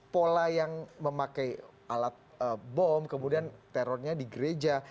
pola yang memakai alat bom kemudian terornya di gereja